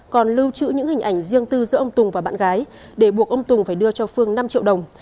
còn lưu trữ những hình ảnh riêng tư giữa ông tùng và bạn gái để buộc ông tùng phải đưa cho phương năm triệu đồng